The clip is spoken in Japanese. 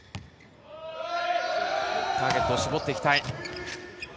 ターゲットを絞っていきたい。